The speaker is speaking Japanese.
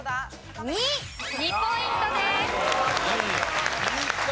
４ポイントです。